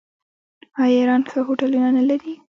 آیا ایران ښه هوټلونه نلري؟